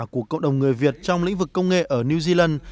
của cộng đồng người việt trong lĩnh vực công nghệ ở new zealand